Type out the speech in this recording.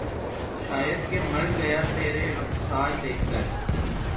شاید کہ مر گیا ترے رخسار دیکھ کر